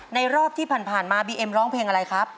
รอบที่ผ่านมาบีเอ็มร้องเพลงอะไรครับ